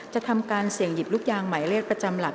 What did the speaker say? จะทำการเสี่ยงหยิบลูกยางหมายเลขประจำหลัก